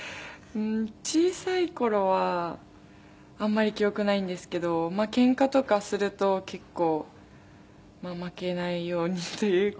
小さい頃はあんまり記憶ないんですけどケンカとかすると結構まあ負けないようにというか。